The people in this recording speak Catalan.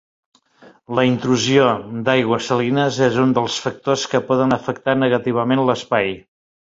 La intrusió d'aigües salines és un dels factors que poden afectar negativament l'espai.